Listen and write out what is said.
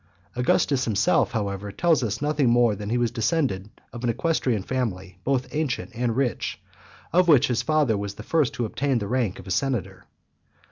Augustus himself, however, tells us nothing more than that he was descended of an equestrian family, both ancient and rich, of which his father was the first who obtained the rank of senator.